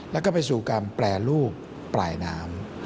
แล้วก็ไปสู่การแปรรูปปลายน้ำ